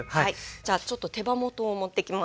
じゃあちょっと手羽元を持ってきます。